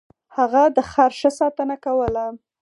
هغه د خر ښه ساتنه کوله.